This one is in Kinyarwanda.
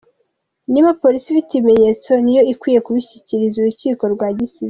"Niba polisi ifite ibimenyetso, ni yo ikwiye kubishyikiriza urukiko rwa gisivile.